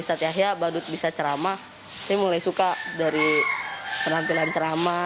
ustadz yahya badut bisa ceramah saya mulai suka dari penampilan ceramah